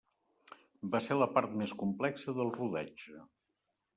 Va ser la part més complexa del rodatge.